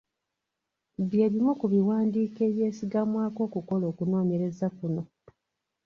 Bye bimu ku biwandiiko ebyesigamwako okukola okunoonyereza kuno.